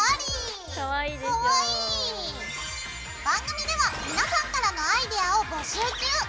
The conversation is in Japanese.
番組では皆さんからのアイデアを募集中！